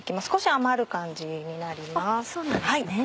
少し余る感じになります。